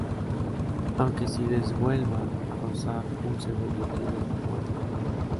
Aunque si les vuelva a rozar un segundo tiro, mueren.